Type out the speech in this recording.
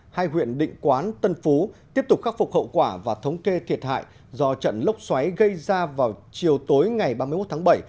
hai huyện định quán tân phú tiếp tục khắc phục hậu quả và thống kê thiệt hại do trận lốc xoáy gây ra vào chiều tối ngày ba mươi một tháng bảy